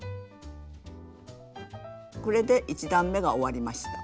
これで１段めが終わりました。